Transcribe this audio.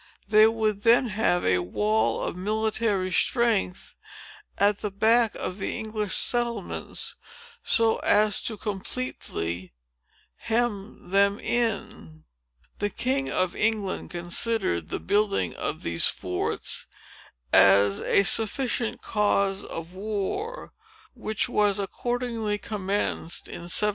They would then have had a wall of military strength, at the back of the English settlements, so as completely to hem them in. The king of England considered the building of these forts as a sufficient cause of war, which was accordingly commenced in 1754.